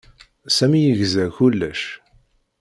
Sami yegza kullec.